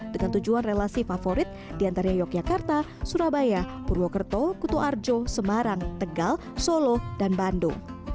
dengan tujuan relasi favorit diantaranya yogyakarta surabaya purwokerto kutu arjo semarang tegal solo dan bandung